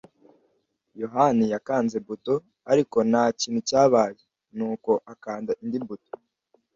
yohani yakanze buto, ariko ntakintu cyabaye, nuko akanda indi buto.